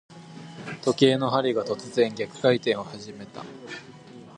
時計の針が、突然逆回転を始めた。